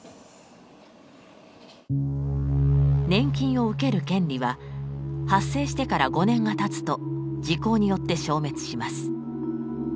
年金を受ける権利は発生してから５年がたつと時効によって消滅します。